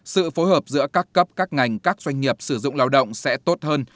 sự phối hợp giữa các cấp các ngành các doanh nghiệp sử dụng lao động sẽ tốt hơn